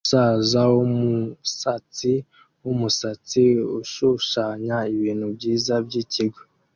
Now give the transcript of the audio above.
Umusaza wumusatsi wumusatsi ushushanya ibintu byiza byikigo